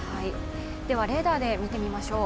レーダーで見てみましょう。